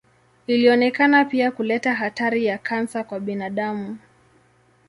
Ilionekana pia kuleta hatari ya kansa kwa binadamu.